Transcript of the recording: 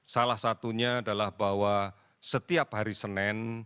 salah satunya adalah bahwa setiap hari senin